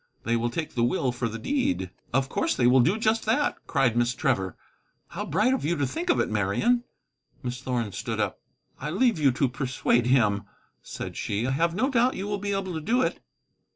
They will take the will for the deed." "Of course they will do just that," cried Miss Trevor. "How bright of you to think of it, Marian!" Miss Thorn stood up. "I leave you to persuade him," said she; "I have no doubt you will be able to do it."